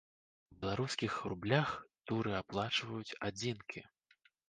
У беларускіх рублях туры аплачваюць адзінкі.